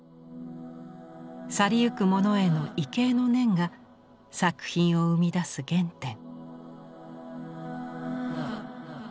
去りゆくモノへの畏敬の念が作品を生み出す原点。